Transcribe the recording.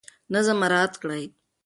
نظم مراعات کړئ.